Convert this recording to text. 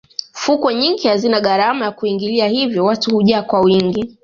fukwe nyingi hazina gharama ya kuingilia hivyo watu hujaa kwa wingi